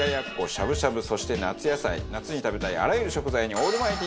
しゃぶしゃぶそして夏野菜夏に食べたいあらゆる食材にオールマイティにどんぴしゃ。